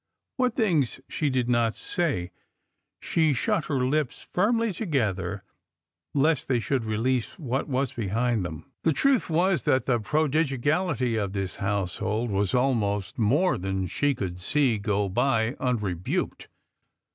What things she did not say. She shut her lips firmly together, lest they should release what was behind them. The truth was that the prodigality of this household was almost more than she could see go by unrebuked.